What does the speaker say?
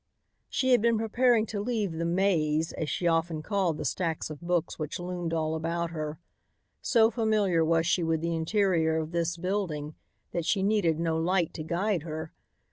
She had been preparing to leave the "maze," as she often called the stacks of books which loomed all about her. So familiar was she with the interior of this building that she needed no light to guide her.